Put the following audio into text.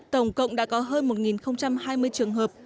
tổng cộng đã có hơn một hai mươi trường hợp